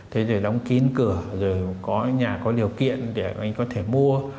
thế rồi đóng kín cửa rồi có nhà có điều kiện để anh có thể mua